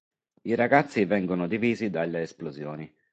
I ragazzi vengono divisi dalle esplosioni.